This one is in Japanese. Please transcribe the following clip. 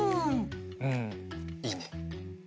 うんいいね。